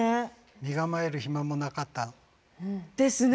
身構える暇もなかった。ですね。